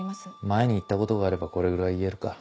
前に行ったことがあればこれぐらい言えるか。